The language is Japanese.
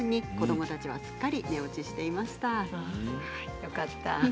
よかった。